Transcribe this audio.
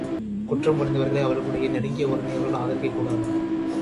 குற்றம் புரிந்தவர்களை, அவர்களுடைய நெருங்கிய உறவினர்கள் ஆதரிக்கக் கூடாது.